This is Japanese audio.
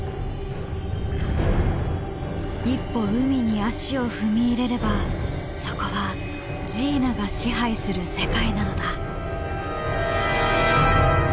一歩海に足を踏み入れればそこはジーナが支配する世界なのだ。